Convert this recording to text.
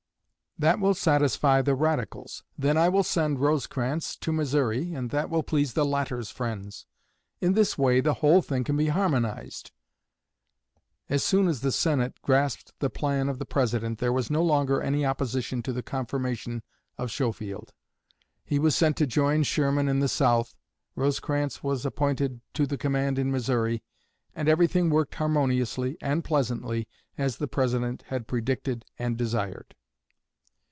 That will satisfy the radicals. Then I will send Rosecrans to Missouri, and that will please the latter's friends. In this way the whole thing can be harmonized." As soon as the Senate grasped the plan of the President there was no longer any opposition to the confirmation of Schofield. He was sent to join Sherman in the South, Rosecrans was appointed to the command in Missouri, and everything worked harmoniously and pleasantly as the President had predicted and desired.